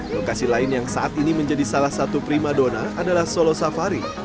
lokasi lain yang saat ini menjadi salah satu prima dona adalah solo safari